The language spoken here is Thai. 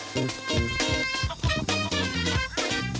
สวัสดีครับ